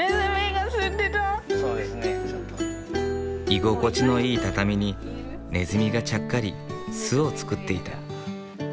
居心地のいい畳にネズミがちゃっかり巣を作っていた。